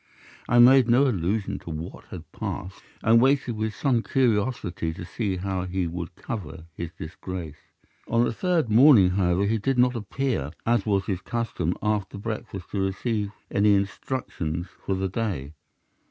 I made no allusion to what had passed, and waited with some curiosity to see how he would cover his disgrace. On the third morning, however he did not appear, as was his custom, after breakfast to receive my instructions for the day.